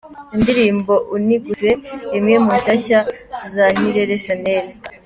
Indirimbo Uniguse, imwe mu nshyashya za Nirere Shanel:.